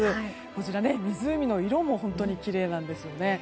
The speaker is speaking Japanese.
こちら、湖の色も本当にきれいなんですよね。